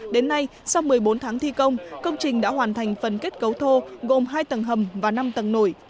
đến nay sau một mươi bốn tháng thi công công trình đã hoàn thành phần kết cấu thô gồm hai tầng hầm và năm tầng nổi